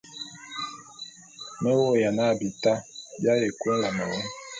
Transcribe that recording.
Me vô'ôya na bita bi aye kui nlame wu.